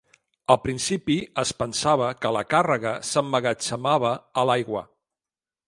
Al principi es pensava que la càrrega s'emmagatzemava a l'aigua.